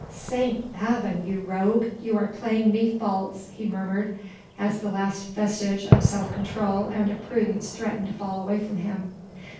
"St. Bavon, you rogue! you are playing me false!" he murmured, as the last vestige of self control and of prudence threatened to fall away from him.